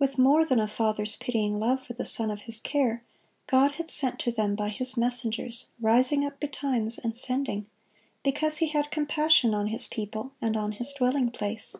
With more than a father's pitying love for the son of his care, God had "sent to them by His messengers, rising up betimes, and sending; because He had compassion on His people, and on His dwelling place."